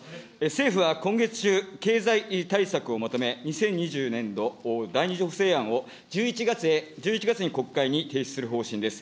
政府は今月中、経済対策をまとめ、２０２２年度第２次補正予算案を１１月に国会に提出する方針です。